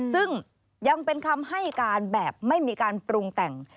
ซึ่งยังเป็นคำให้การแบบไม่มีการปรุงแต่ง